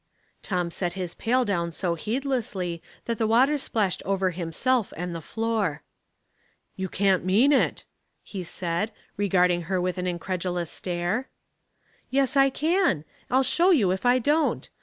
Tom set his pail down so heedlessly that the water splashed over himself and the floor. " You can't mean it !" he said, regarding her with an incredulous stare. " Yes, I can. I'll show you if I don't.